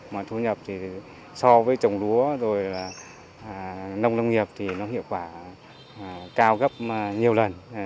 mà thu nhập thì so với trồng lúa rồi nông lâm nghiệp thì nó hiệu quả cao gấp nhiều lần